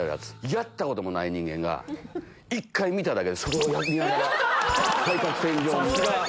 やったこともない人間が１回見ただけでそれをやりながら対角線上に。